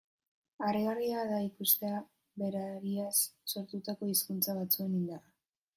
Harrigarria da ikustea berariaz sortutako hizkuntza batzuen indarra.